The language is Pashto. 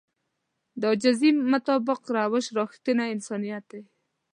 د عاجزي مطابق روش رښتينی انسانيت دی.